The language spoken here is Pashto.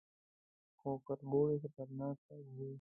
_خو کربوړي خطرناکه دي.